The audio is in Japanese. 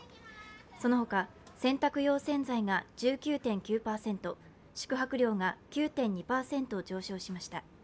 その他、洗濯用洗剤が１９．９％、宿泊料が９．２％上昇しました。